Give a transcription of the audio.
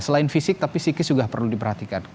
selain fisik tapi psikis juga perlu diperhatikan